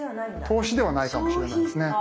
投資ではないかもしれないですね。